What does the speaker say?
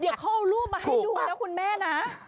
อย่าเข้ารูปมาให้ดูนะคุณแม่นะ